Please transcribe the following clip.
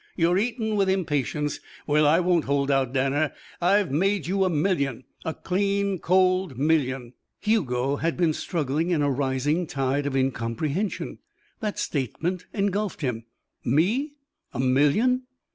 You're eaten with impatience. Well I won't hold out. Danner, I've made you a million. A clean, cold million." Hugo had been struggling in a rising tide of incomprehension; that statement engulfed him. "Me? A million?"